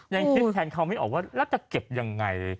ยังคิดแทนเขาไม่ออกว่าแล้วจะเก็บยังไง